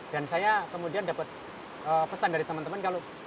dan saya kemudian dapat pesan dari teman teman kalau